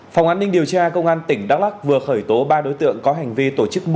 phòng an ninh điều tra công an tỉnh đắk lắc vừa khởi tố ba đối tượng có hành vi tổ chức